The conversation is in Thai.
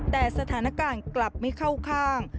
แต่สถานการณ์กลับไม่เข้าข้าง